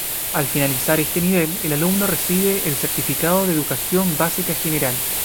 Al finalizar este nivel el alumno recibe el Certificado de Educación Básica General.